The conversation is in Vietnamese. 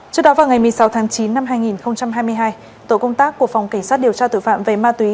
trước đó vào ngày một mươi sáu tháng chín năm hai nghìn hai mươi hai tổ công tác của phòng cảnh sát điều tra tử phạm về ma túy